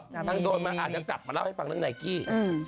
ในนางโดนมาหาอย่างต่ำมาเล่าให้ฟังเรื่องไน่กี้